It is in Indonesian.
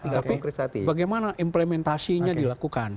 tapi bagaimana implementasinya dilakukan